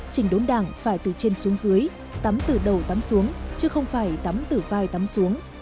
chỉnh đốn đảng phải từ trên xuống dưới tắm từ đầu tắm xuống chứ không phải tắm từ vai tắm xuống